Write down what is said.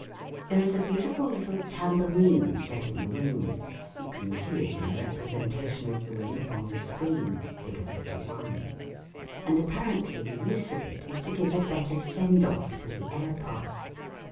There is a beautiful little tambourine set in the wing you can see it in the repre sentation of the wing upon the screen (Fig. 51) and apparently the use of it is to give a better send off to the air pulse.